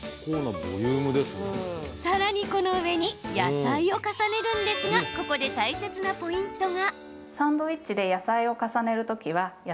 さらに、この上に野菜を重ねるんですがここで大切なポイントが。